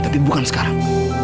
tapi bukan sekarang